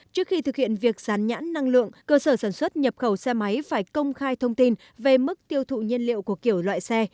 trước khi thực hiện việc gián nhãn năng lượng cơ sở sản xuất nhập khẩu xe máy phải công khai thông tin về mức tiêu thụ nhiên liệu của kiểu loại xe